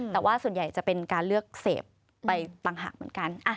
แต่ว่าส่วนใหญ่จะเป็นการเลือกเสพไปต่างหากเหมือนกัน